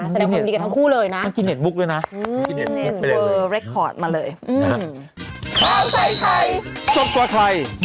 แสดงความดีกันทั้งคู่เลยนะอืมจะดีกว่าไทย